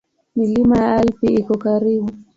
Milima ya Alpi iko karibu.